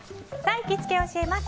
行きつけ教えます！